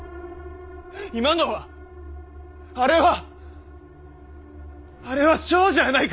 今のはあれはあれは少女やないか！